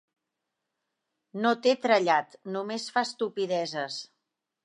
No té trellat: només fa estupideses.